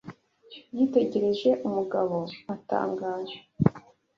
Yitegereje umugabo atangara.